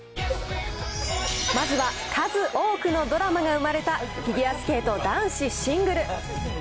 まずは数多くのドラマが生まれたフィギュアスケート男子シングル。